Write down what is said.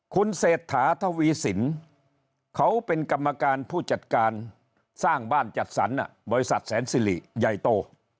คุณเศรษฐาทวีสินเขาเป็นกรรมการผู้จัดการสร้างบ้านจัดสรรบริษัทแสนสิริใหญ่โต